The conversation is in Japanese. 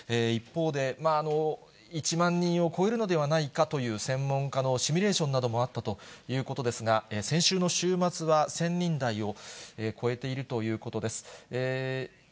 一方で、１万人を超えるのではないかという専門家のシミュレーションなどもあったということですが、先週の週末は１０００人台を超えているということです。